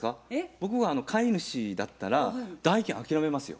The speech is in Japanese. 僕は買い主だったら代金諦めますよ。